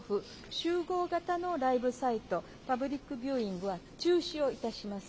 集合型のライブサイト、パブリックビューイングは中止をいたします。